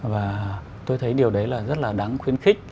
và tôi thấy điều đấy là rất là đáng khuyến khích